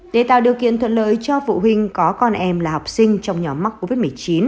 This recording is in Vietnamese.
để tạo điều kiện thuận lợi cho phụ huynh có con em là học sinh trong nhóm mắc covid một mươi chín